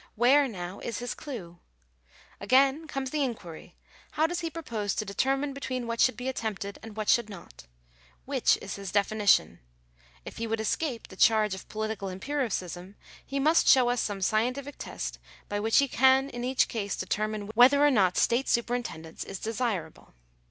Where now is his due ? Again comes the inquiry — how does be propose to determine between what should be attempted and what should not ? which is his definition ? If he would escape the charge of political empiricism, he must show us some scientific test by which he can in each case determine whether or not state superintendence is desirable.